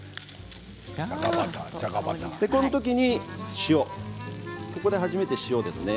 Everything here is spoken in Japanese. この時に塩ここで初めて塩ですね